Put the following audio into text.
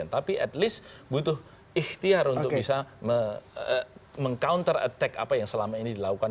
tapi at least butuh ikhtiar untuk bisa meng counter attack apa yang selama ini dilakukan